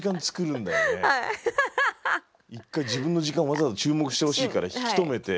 一回自分の時間わざわざ注目してほしいから引き止めて。